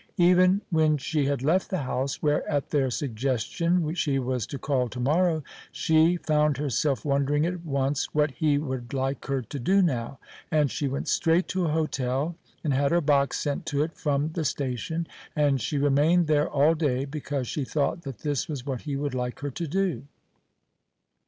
Even when she had left the house, where at their suggestion she was to call to morrow, she found herself wondering at once what he would like her to do now, and she went straight to a hotel, and had her box sent to it from the station, and she remained there all day because she thought that this was what he would like her to do.